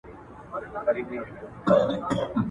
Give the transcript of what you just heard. پاک چاپېریال د روغ ژوند لامل کېږي.